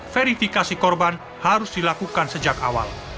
verifikasi korban harus dilakukan sejak awal